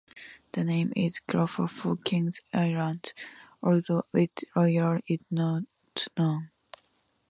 The name is Gaelic for "King's Island", although which royal is not known.